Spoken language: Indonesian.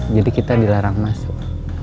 jadi kita dilarang masuk